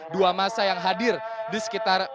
dua masa yang hadir di sekitar